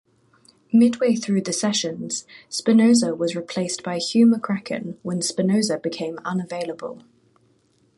Midway through the sessions, Spinozza was replaced by Hugh McCracken when Spinozza became unavailable.